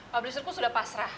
publisherku sudah pasrah